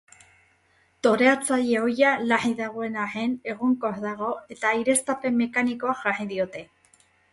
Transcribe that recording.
Toreatzaile ohia larri dagoen arren egonkor dago eta aireztapen mekanikoa jarri diote.